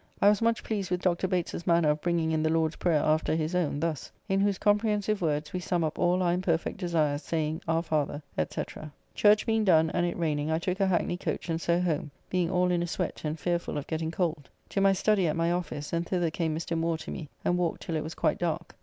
I was much pleased with Dr. Bates's manner of bringing in the Lord's Prayer after his own; thus, "In whose comprehensive words we sum up all our imperfect desires; saying, 'Our Father,'" &c. Church being done and it raining I took a hackney coach and so home, being all in a sweat and fearful of getting cold. To my study at my office, and thither came Mr. Moore to me and walked till it was quite dark.